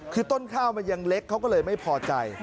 คือต้นข้าวมันยังเล็กเขาก็เลยไม่พอใจ